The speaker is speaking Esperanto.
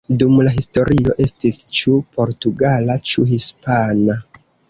Dum la historio estis ĉu portugala ĉu hispana.